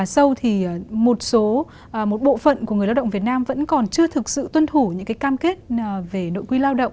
sau thì một số một bộ phận của người lao động việt nam vẫn còn chưa thực sự tuân thủ những cái cam kết về nội quy lao động